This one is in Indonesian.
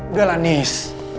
udah lah nis